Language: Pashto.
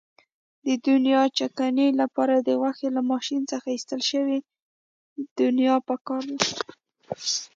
د دڼیا چکنۍ لپاره د غوښې له ماشین څخه ایستل شوې دڼیا پکار ده.